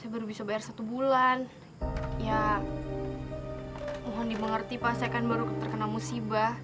berarti pak saya kan baru terkena musibah